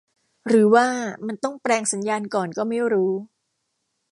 หรือว่ามันต้องแปลงสัญญาณก่อนก็ไม่รู้